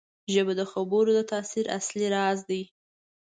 ژبه د خبرو د تاثیر اصلي راز دی